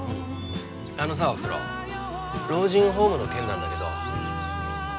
あのさおふくろ老人ホームの件なんだけど。